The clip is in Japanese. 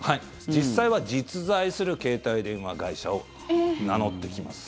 実際は実在する携帯電話会社を名乗ってきます。